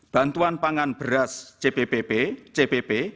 bantuan pangan beras cppp cpp